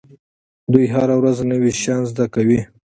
دوی هره ورځ نوي شیان زده کوي.